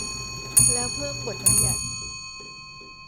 แล้วเพิ่มบทบัญญัติ